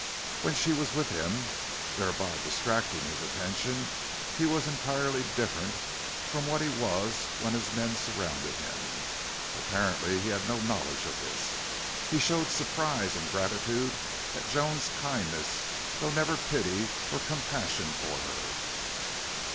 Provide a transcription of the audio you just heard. When she was with him, thereby distracting his attention, he was entirely different from what he was when his men surrounded him. Apparently he had no knowledge of this. He showed surprise and gratitude at Joan's kindness though never pity or compassion for her.